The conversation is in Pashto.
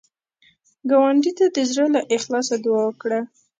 ګاونډي ته د زړه له اخلاص دعا وکړه